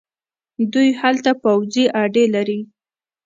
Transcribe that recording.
دوی هلته پوځي اډې لري.